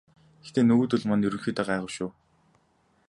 Гэхдээ нөгөөдүүл маань ерөнхийдөө гайгүй шүү.